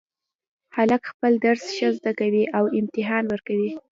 هلک خپل درس ښه زده کوي او امتحان ورکوي